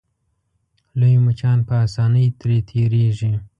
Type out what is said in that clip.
لوی مچان په اسانۍ ترې تېرېږي.